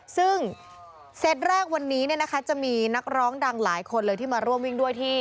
ซึ่งเซตแรกวันนี้จะมีนักร้องดังหลายคนเลยที่มาร่วมวิ่งด้วยที่